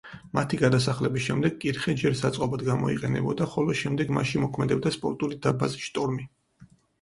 მათი გადასახლების შემდეგ კირხე ჯერ საწყობად გამოიყენებოდა, ხოლო შემდეგ მასში მოქმედებდა სპორტული დარბაზი „შტორმი“.